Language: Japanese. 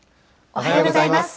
おはようございます。